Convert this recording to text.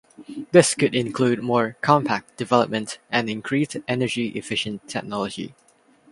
This could include more "compact" development and increased energy efficient technology.